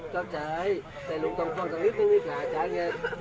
เข้าเฉยใช่ลูกต้องฟังสักนิดหนึ่งนี่ค่ะอาจารย์เนี่ย